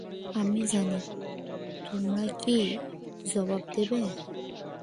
আমি জানি, তোমরা কি জবাব দেবে।